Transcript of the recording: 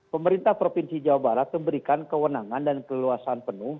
pemerintah provinsi jawa barat memberikan kewenangan dan keleluasan penuh